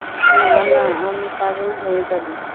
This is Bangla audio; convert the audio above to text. না, না, আমি পাগল হয়ে যাব।